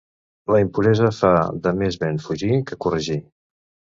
La impuresa fa de més ben fugir que corregir.